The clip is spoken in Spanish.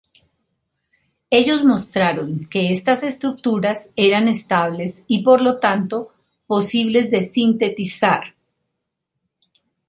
Ellos mostraron que estas estructuras eran estables y por lo tanto, posibles de sintetizar.